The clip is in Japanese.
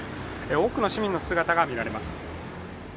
多くの市民の姿が見られます。